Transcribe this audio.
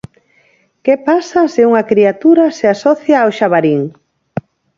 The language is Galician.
Que pasa se unha criatura se asocia ao Xabarín?